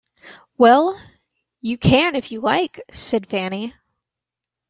“Well, you can if you like,” said Fanny.